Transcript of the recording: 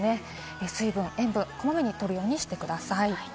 水分、塩分をこまめにとるようにしてください。